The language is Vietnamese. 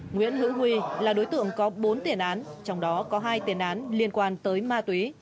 nguyễn hữu huy là đối tượng có bốn tiền án trong đó có hai tiền án liên quan tới ma túy